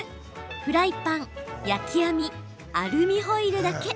フライパン、焼き網アルミホイルだけ。